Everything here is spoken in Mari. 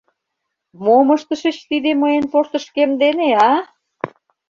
— Мом ыштышыч тиде мыйын портышкем дене, а?!